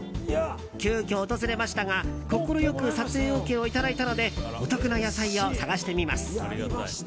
急きょ訪れましたが快く撮影ＯＫをいただいたのでお得な野菜を探してみます。